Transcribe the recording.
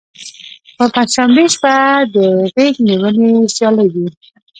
په پنجشنبې شپه د غیږ نیونې سیالۍ وي.